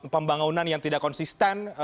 pembangunan yang tidak konsisten